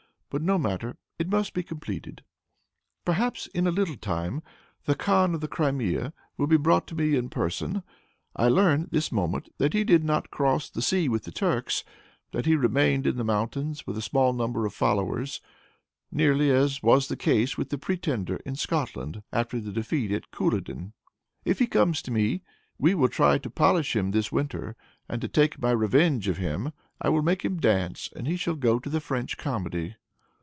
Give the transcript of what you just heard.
But no matter, it must be completed. "Perhaps, in a little time, the khan of the Crimea will be brought to me in person. I learn, this moment, that he did not cross the sea with the Turks, but that he remained in the mountains with a very small number of followers, nearly as was the case with the Pretender, in Scotland, after the defeat at Culloden. If he comes to me, we will try to polish him this winter, and, to take my revenge of him, I will make him dance, and he shall go to the French comedy.